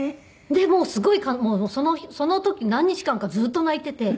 でもうすごいその時何日間かずっと泣いていて。